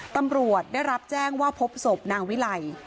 ตำรวจได้รับแจ้งว่าพบศพนางวิไล